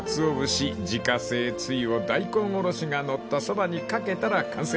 ［自家製つゆを大根おろしが載ったそばに掛けたら完成］